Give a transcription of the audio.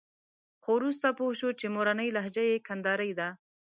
خو وروسته پوه شو چې مورنۍ لهجه یې کندارۍ ده.